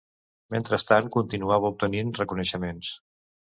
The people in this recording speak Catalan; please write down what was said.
Mentrestant continuava obtenint reconeixements.